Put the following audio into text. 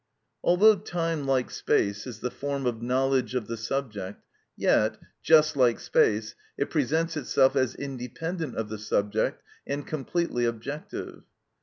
Although time, like space, is the form of knowledge of the subject, yet, just like space, it presents itself as independent of the subject and completely objective.